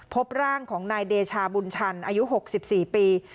พบร่างของนายเดชาบุญชันอายุ๖๔ปี